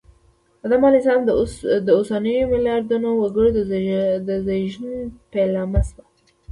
آدم علیه السلام د اوسنیو ملیاردونو وګړو د زېږون پیلامه شوه